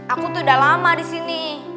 aku tuh udah lama di sini